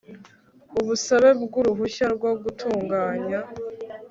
busabe bw uruhushya rwo gutunganya